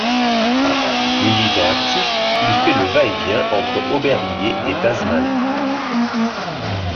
Militant actif, il fait le va-et-vient entre Aubervilliers et Tazmalt.